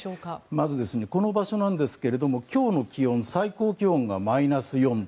まず、この場所なんですが今日の気温、最高気温がマイナス４度。